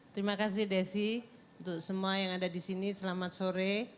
terima kasih desi untuk semua yang ada di sini selamat sore